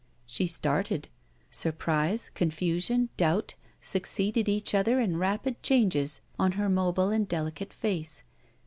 She started. Surprise, confusion, doubt, succeeded each other in rapid changes on her mobile and delicate face.